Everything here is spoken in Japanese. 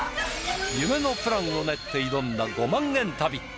夢のプランを練って挑んだ５万円旅。